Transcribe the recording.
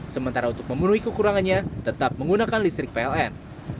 sementara untuk memenuhi kekurangannya tetap menggunakan listrik pln